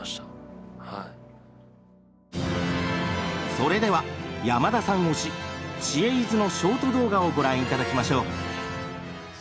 それでは山田さん推し「知恵泉」のショート動画をご覧頂きましょう。